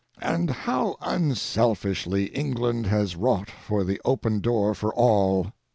And how unselfishly England has wrought for the open door for all!